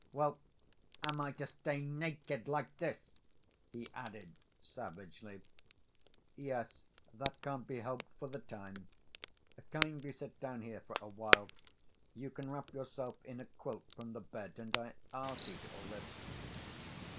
"Well, am I to stay naked like this?" he added savagely. "Yes, that can't be helped for the time.... Kindly sit down here for a while. You can wrap yourself in a quilt from the bed, and I ... I'll see to all this."